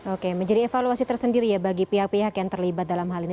oke menjadi evaluasi tersendiri ya bagi pihak pihak yang terlibat dalam hal ini